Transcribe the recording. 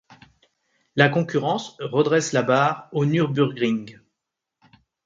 La concurrence redresse la barre au Nürburgring.